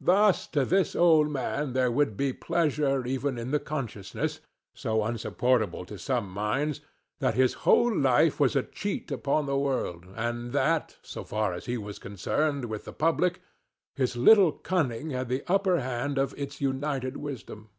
Thus to this old man there would be pleasure even in the consciousness—so insupportable to some minds—that his whole life was a cheat upon the world, and that, so far as he was concerned with the public, his little cunning had the upper hand of its united wisdom.